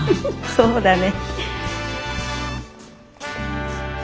そうだね。